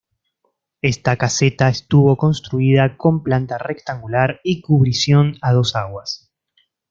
Esta caseta estuvo construida con planta rectangular y cubrición a dos aguas.